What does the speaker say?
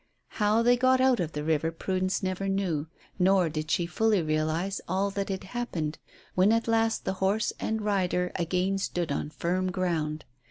How they got out of the river Prudence never knew, nor did she fully realize all that had happened when at last the horse and rider again stood on firm ground.